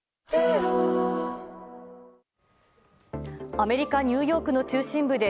アメリカ・ニューヨークの中心部で